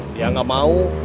dia nggak mau